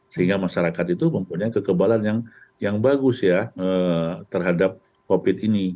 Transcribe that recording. sehingga masyarakat itu mempunyai kekebalan yang bagus ya terhadap covid ini